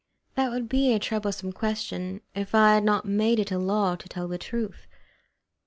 That would be a troublesome question if I had not made it a law to tell the truth.